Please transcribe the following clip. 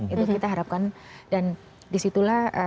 itu kita harapkan dan disitulah